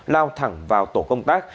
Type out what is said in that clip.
lao thẳng vào tổ công tác